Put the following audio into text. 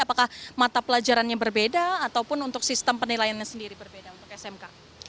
apakah mata pelajarannya berbeda ataupun untuk sistem penilaiannya sendiri berbeda untuk smk